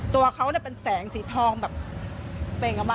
ตัวเขาเป็นแสงสีทองแบบเป็นกับมัน